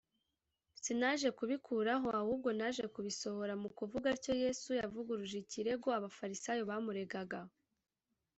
sinaje kubikuraho ahubwo naje kubisohoza” mu kuvuga atyo, yesu yavuguruje ikirego abafarisayo bamuregaga